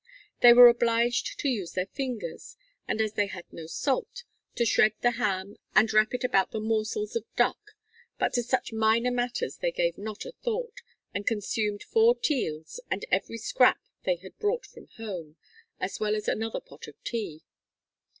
They were obliged to use their fingers, and, as they had no salt, to shred the ham and wrap it about the morsels of duck, but to such minor matters they gave not a thought, and consumed four teals and every scrap they had brought from home, as well as another pot of tea.